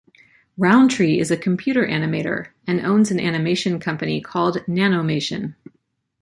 Rowntree is a computer animator, and owns an animation company called Nanomation.